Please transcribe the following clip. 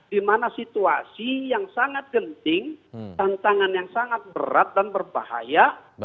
di mana situasi yang sangat genting tantangan yang sangat berat dan berbahaya